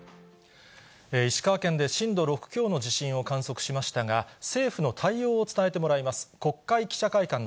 石川県で震度６強の地震を観測しましたが、政府の対応を伝えてもらいます。